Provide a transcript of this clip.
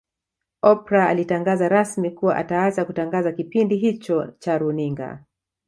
Oprah alitangaza rasmi kuwa ataacha kutangaza kipindi hicho cha Runinga